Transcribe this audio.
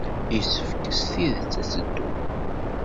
Yessefk s tidet ad teddum.